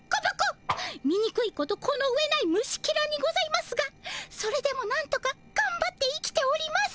みにくいことこの上ない虫ケラにございますがそれでもなんとかがんばって生きております！